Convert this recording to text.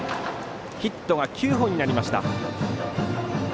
ヒットが９本になりました。